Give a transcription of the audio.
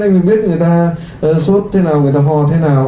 anh phải biết người ta sốt thế nào người ta hò thế nào